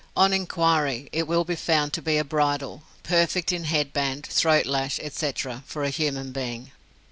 On inquiry, it will be found to be a bridle, perfect in head band, throat lash, etc., for a human being.